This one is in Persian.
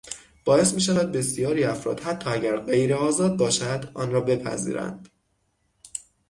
باعث میشود بسیاری افراد حتی اگر غیر آزاد باشد، آن را بپذیرند